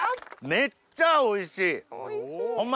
めっちゃおいしいホンマ。